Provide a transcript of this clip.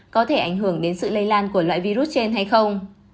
có thể ảnh hưởng đến sự lây lan của loại virus trên hay không